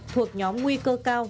thuộc nhóm nguy cơ cao